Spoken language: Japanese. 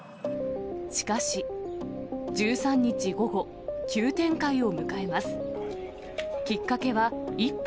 しかし、１３日午後、急展開を迎えます。